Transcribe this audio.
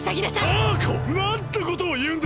タアコなんてことをいうんだ！